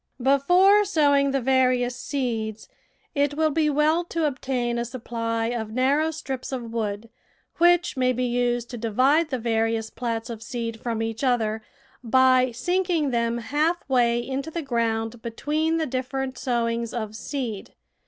Before sowing the various seeds it will be well to obtain a supply of narrow strips of wood, which may be used to divide the various plats of seed from each other, by sinking them half way into the ground between the different sowings of seed.